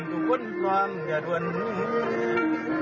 อยู่แล้วท่อสนิทแกเด้ยเด้ย